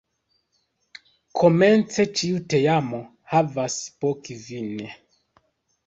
Komence ĉiu teamo havas po kvin.